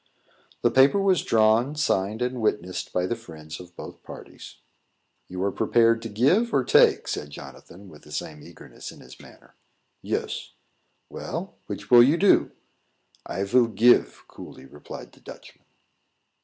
The paper was drawn, signed, and witnessed by the friends of both parties. "You are prepared to give or take?" said Jonathan, with same eagerness in his manner. "Yes." "Well, which will you do?" "I vill give," coolly replied the Dutchman.